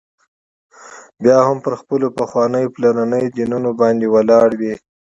بیا هم پر خپلو پخوانیو پلرنيو دینونو باندي ولاړ وي.